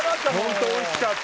本当おいしかった。